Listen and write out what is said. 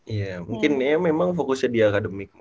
iya mungkin ya memang fokusnya di akademik